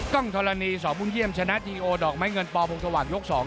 กล้องทรณีสอบบุญเยี่ยมชนะทีโอดอกไม้เงินปลอบพรงตะวันยกสอง